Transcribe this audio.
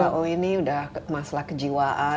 karena ini udah masalah kejiwaan